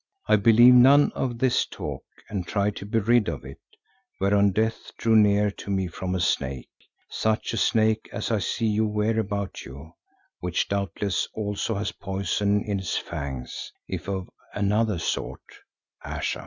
I believe none of this talk and tried to be rid of it, whereon death drew near to me from a snake, such a snake as I see you wear about you, which doubtless also has poison in its fangs, if of another sort, Ayesha."